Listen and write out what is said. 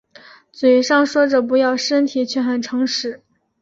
嘴里说着不要身体却很诚实